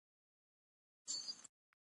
د سبزیجاتو کرنه د صحي تغذیې بنسټ جوړوي.